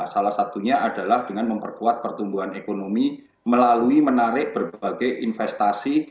salah satunya adalah dengan memperkuat pertumbuhan ekonomi melalui menarik berbagai investasi